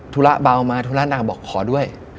ธุระเบามาธุระนางบอกขอด้วย